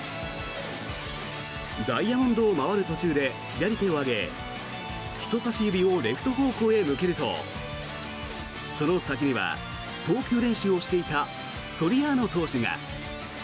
ダイヤモンドを回る途中で左手を上げ人さし指をレフト方向へ向けるとその先には、投球練習をしていたソリアーノ投手が。